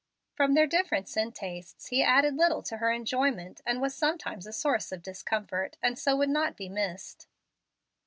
From their difference in tastes he added little to her enjoyment, and was sometimes a source of discomfort; and so would not be missed.